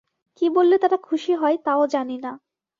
কি বললে তারা খুশি হয় তাও জানি না।